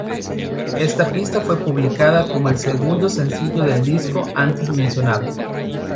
Esta pista fue publicada como el segundo sencillo del disco antes mencionado.